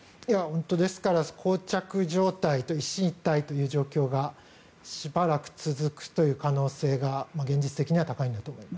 ですから、こう着状態一進一退という状態がしばらく続くという可能性が現実的には高いんだと思います。